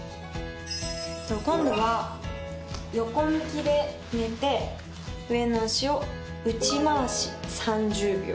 今度は横向きで寝て上の脚を内回し３０秒。